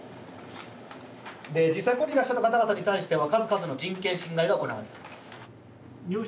実際ここにいらっしゃる方々に対しては数々の人権侵害が行われたわけです。